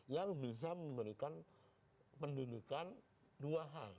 yang bisa memberikan pendidikan dua hal